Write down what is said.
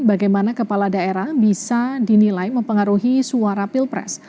bagaimana kepala daerah bisa dinilai mempengaruhi suara pilpres